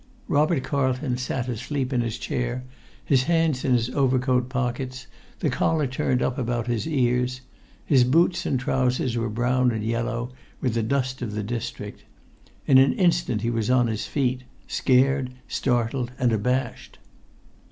Robert Carlton sat asleep in his chair, his hands in his overcoat pockets, the collar turned up about his ears. His boots and trousers were brown and yellow with the dust of the district. In an instant he was on his feet, scared, startled, and abashed.